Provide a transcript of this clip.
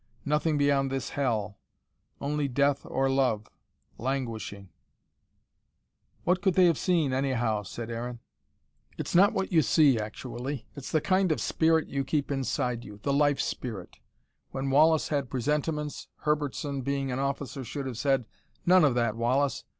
Nothing beyond this hell only death or love languishing " "What could they have seen, anyhow?" said Aaron. "It's not what you see, actually. It's the kind of spirit you keep inside you: the life spirit. When Wallace had presentiments, Herbertson, being officer, should have said: 'None of that, Wallace.